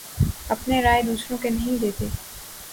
اپنے رائے دوسروں کے نہیں دیتا